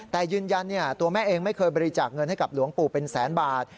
แต่ยืนยันตัวแม่เองไม่เคยบริจาคเงินให้กับหลวงปู่เป็นแสนบาท